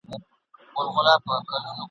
او په څلوردېرش کلنی کي !.